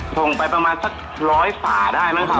ส่งไปประมาณสัก๑๐๐ฝาได้แล้วครับ